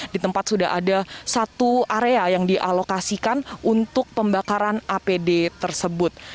di tempat sudah ada satu area yang dialokasikan untuk pembakaran apd tersebut